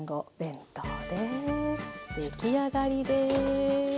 出来上がりです。